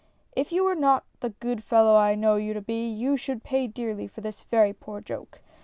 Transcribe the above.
" If you were not the good fellow I know you to be, you should pay dearly for this very poor joke